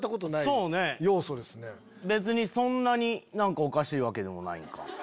別にそんなにおかしいわけでもないんか。